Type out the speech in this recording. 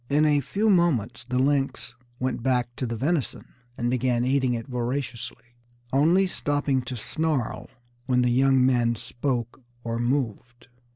In a few moments the lynx went back to the venison, and began eating it voraciously, only stopping to snarl when the young men spoke or moved.